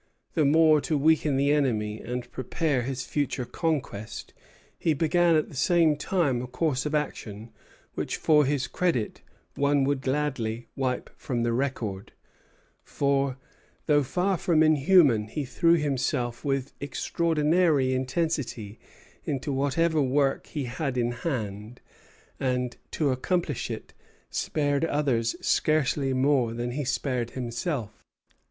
The more to weaken the enemy and prepare his future conquest, he began at the same time a course of action which for his credit one would gladly wipe from the record; for, though far from inhuman, he threw himself with extraordinary intensity into whatever work he had in hand, and, to accomplish it, spared others scarcely more than he spared himself.